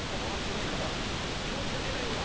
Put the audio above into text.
表示が出たようだ。